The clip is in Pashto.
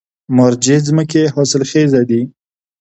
مارجې ځمکې حاصلخیزه دي؟